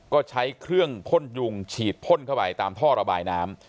ก็ใช้เครื่องพ่นยุงฉีดพ่นเข้าไปตามท่อระบายน้ำ